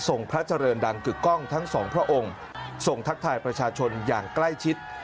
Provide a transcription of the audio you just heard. พระเจริญดังกึกกล้องทั้งสองพระองค์ทรงทักทายประชาชนอย่างใกล้ชิด